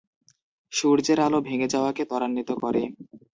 সূর্যের আলো ভেঙে যাওয়াকে ত্বরান্বিত করে।